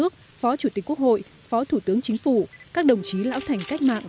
chủ tịch hồ chí minh